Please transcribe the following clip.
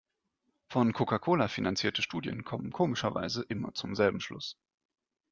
Von Coca-Cola finanzierte Studien kommen komischerweise immer zum selben Schluss.